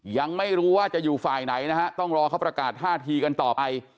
ยังไม่รู้ว่าจะอยู่ฝ่ายไหนนะฮะต้องรอเขาประกาศท่าทีกันต่อไป